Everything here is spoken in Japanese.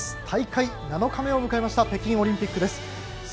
大会７日目を迎えました北京オリンピックです。